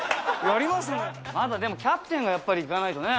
まずはでもキャプテンがやっぱりいかないとね。